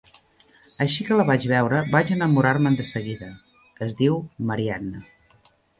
Així que la vaig veure, vaig enamorar-me'n de seguida. Es diu Marianna.